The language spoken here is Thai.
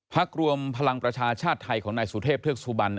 รวมพลังประชาชาติไทยของนายสุเทพเทือกสุบัน